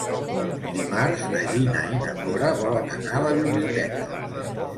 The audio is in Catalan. Dimarts na Gina i na Cora volen anar a la biblioteca.